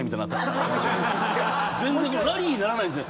全然ラリーにならないんです。